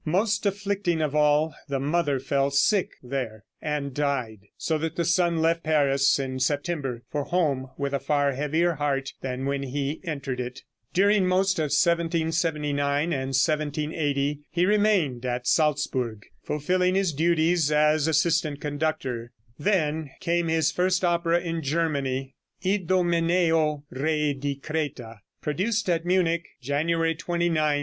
Most afflicting of all, the mother fell sick there, and died, so that the son left Paris in September for home with a far heavier heart than when he entered it. During the most of 1779 and 1780 he remained at Salzburg, fulfilling his duties as assistant conductor. Then came his first opera in Germany, "Idomeneo, Re di Creta," produced at Munich January 29, 1781.